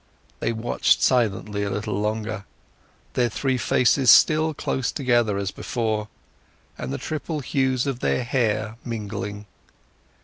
They watched silently a little longer, their three faces still close together as before, and the triple hues of their hair mingling.